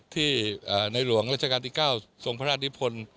ที่ในหลวงราชการที่๙ทรงพระราชนิพล